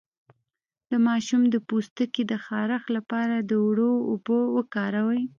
د ماشوم د پوستکي د خارښ لپاره د اوړو اوبه وکاروئ